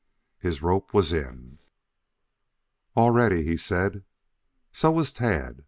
His rope was in. "All ready," he said. So was Tad.